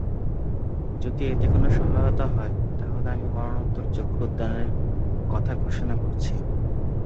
যদি এতে কোনো সহায়তা হয়, তাহলে আমি মরণোত্তর চক্ষুদানের কথা ঘোষণা করছি।